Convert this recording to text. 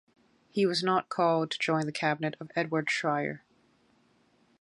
He was not called to join the cabinet of Edward Schreyer.